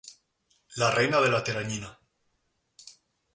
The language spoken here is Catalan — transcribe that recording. La reina de la teranyina.